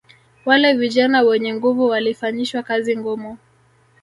Wale vijana wenye nguvu walifanyishwa kazi ngumu